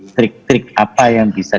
trik trik apa yang bisa